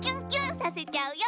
させちゃうよ。